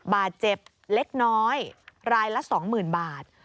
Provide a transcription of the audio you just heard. บาดเจ็บเล็กน้อยรายละ๒๐๐๐บาท